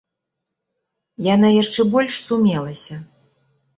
Яна яшчэ больш сумелася.